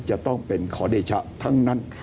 จะต้องเป็นขอเดชะทั้งนั้น